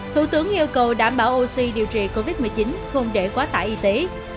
thủ tướng yêu cầu đảm bảo oxy điều trị covid một mươi chín không để quá tải y tế